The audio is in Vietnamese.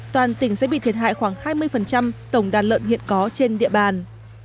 toàn tỉnh sẽ bị thiệt hại khoảng hai mươi tổng đàn lợn hiện có trên địa bàn